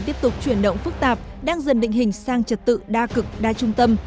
tiếp tục chuyển động phức tạp đang dần định hình sang trật tự đa cực đa trung tâm